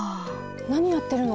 なにやってるの？